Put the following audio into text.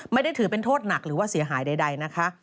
ไม่ได้ถือเป็นโทษหนักหรือว่าเสียหายใดนะคะ